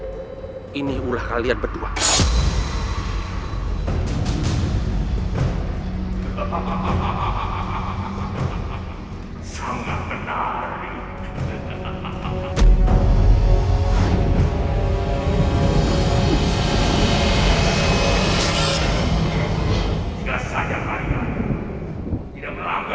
tidak saja kalian tidak bisa menahan aku